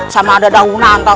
sama ada daunan